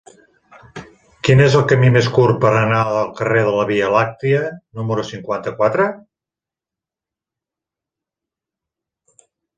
Quin és el camí més curt per anar al carrer de la Via Làctia número cinquanta-quatre?